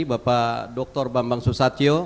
bapak dr bambang susatyo